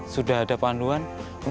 sudah ada panduan